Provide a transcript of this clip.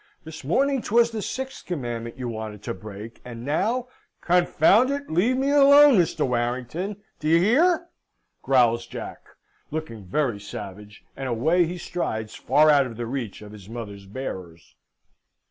This morning 'twas the Sixth Commandment you wanted to break; and now " "Confound it! leave me alone, Mr. Warrington, do you hear?" growls Jack, looking very savage; and away he strides far out of the reach of his mother's bearers.